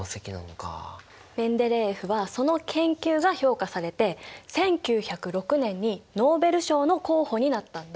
メンデレーエフはその研究が評価されて１９０６年にノーベル賞の候補になったんだ。